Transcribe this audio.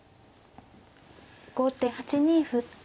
後手８二歩。